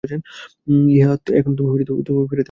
ইহা এখন তুমিও ফিরাইতে পার না।